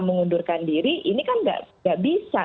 mengundurkan diri ini kan nggak bisa